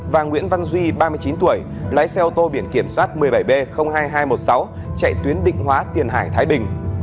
và nguyễn văn duy ba mươi chín tuổi lái xe ô tô biển kiểm soát một mươi bảy b hai nghìn hai trăm một mươi sáu chạy tuyến định hóa tiền hải thái bình